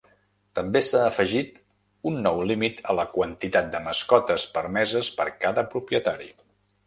També s'ha afegit un nou límit a la quantitat de mascotes permeses per cada propietari.